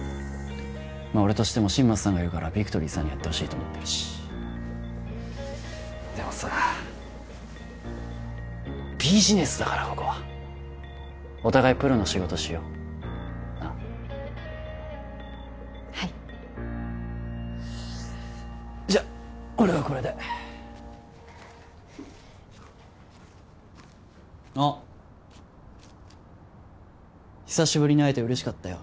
俺としても新町さんがいるからビクトリーさんにやってほしいと思ってるしでもさビジネスだからここはお互いプロの仕事しようなっはいじゃ俺はこれであっ久しぶりに会えてうれしかったよ